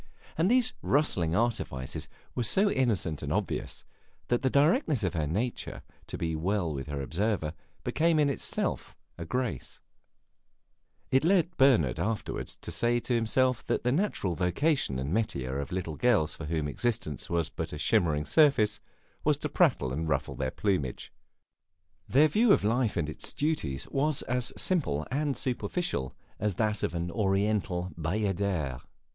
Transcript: And these rustling artifices were so innocent and obvious that the directness of her desire to be well with her observer became in itself a grace; it led Bernard afterward to say to himself that the natural vocation and metier of little girls for whom existence was but a shimmering surface, was to prattle and ruffle their plumage; their view of life and its duties was as simple and superficial as that of an Oriental bayadere.